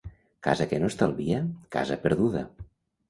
Casa que no estalvia, casa perduda.